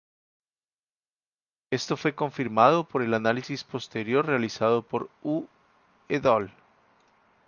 Esto fue confirmado por el análisis posterior realizado por Hu "et al.